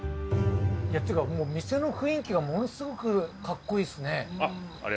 いやていうかもう店の雰囲気がものすごくかっこいいっすね。